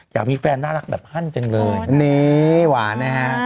อยากมีแฟนน่ารักแบบห้านจริงเลย